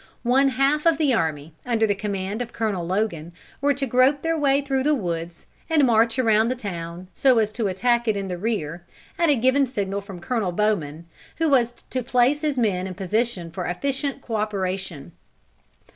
One half of the army, under the command of Colonel Logan, were to grope their way through the woods, and march around the town so as to attack it in the rear, at a given signal from Colonel Bowman, who was to place his men in position for efficient cooperation.